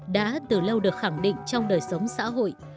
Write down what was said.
đã từ lâu được khẳng định trong đời sống xã hội